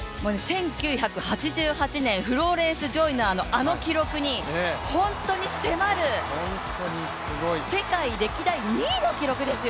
１９８８年フローレンス・ジョイナーのあの記録に本当に迫る、世界歴代２位の記録ですよ。